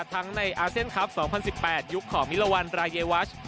ในอาเซียนคลับ๒๐๑๘ยุคของมิลวรรณรายวัช